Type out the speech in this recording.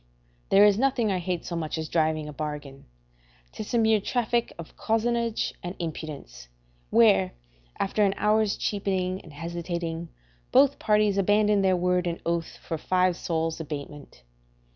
There is nothing I hate so much as driving a bargain; 'tis a mere traffic of cozenage and impudence, where, after an hour's cheapening and hesitating, both parties abandon their word and oath for five sols' abatement.